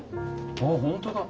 ああ本当だ。